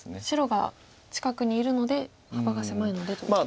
白が近くにいるので幅が狭いのでと。